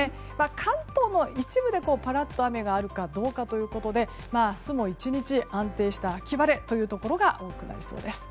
関東も一部でぱらっと雨があるかどうかということで明日も１日安定した秋晴れというところが多くなりそうです。